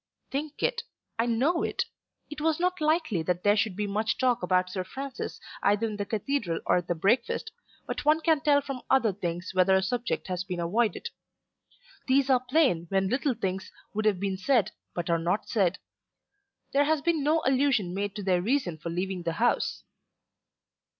"Think it! I know it. It was not likely that there should be much talk about Sir Francis either in the cathedral or at the breakfast; but one can tell from other things whether a subject has been avoided. These are plain when little things would have been said but are not said. There has been no allusion made to their reason for leaving the house."